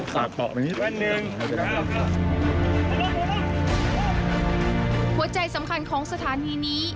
หัวใจสำคัญของสถานีนี้